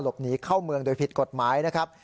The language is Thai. หนีเข้าเมืองโดยผิดกฎหมายนะครับ